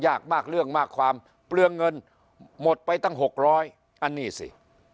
ยากมากเรื่องมากความเปลืองเงินหมดไปตั้ง๖๐๐อันนี้สิ